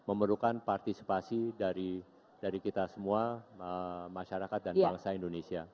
memerlukan partisipasi dari kita semua masyarakat dan bangsa indonesia